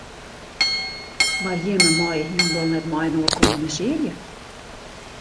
Mar jimme meie hielendal net mei-inoar kommunisearje.